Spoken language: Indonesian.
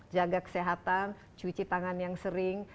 jaga kesehatan cuci tangan yang sering